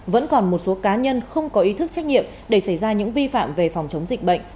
vẫn còn một số cá nhân không có ý thức trách nhiệm để xảy ra những vi phạm về phòng chống dịch bệnh